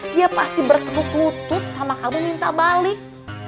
dia pasti bertepuk lutut sama kamu minta balik